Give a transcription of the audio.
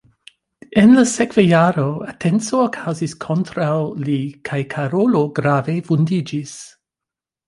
En la sekva jaro atenco okazis kontraŭ li kaj Karolo grave vundiĝis.